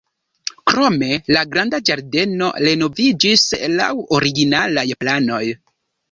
Krome la granda ĝardeno renoviĝis laŭ originalaj planoj.